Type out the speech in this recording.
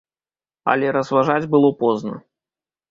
Але разважаць было позна.